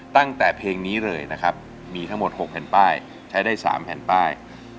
ตั้งแต่เพลงนี้เลยนะครับมีทั้งหมด๖แผ่นป้ายใช้ได้๓แผ่นป้าย